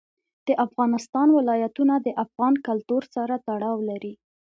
د افغانستان ولايتونه د افغان کلتور سره تړاو لري.